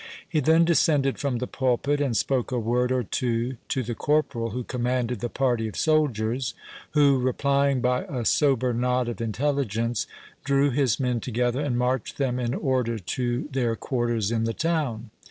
He then descended from the pulpit, and spoke a word or two to the corporal who commanded the party of soldiers, who, replying by a sober nod of intelligence, drew his men together, and marched them in order to their quarters in the town.